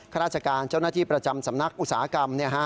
ราชการเจ้าหน้าที่ประจำสำนักอุตสาหกรรม